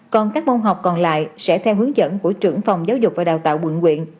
còn các môn học còn lại sẽ theo hướng dẫn của trưởng phòng giáo dục và đào tạo quận quyện